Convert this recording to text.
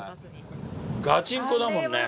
ガチンコだもんね。